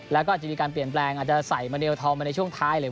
แล้วก็อาจจะมีการเปลี่ยนแปลงอาจจะใส่มาเลลทองมาในช่วงท้ายหรือ